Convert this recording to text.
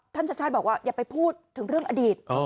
ท่านชัดชาตอบว่าอย่าพูดถึงเรื่องอดีต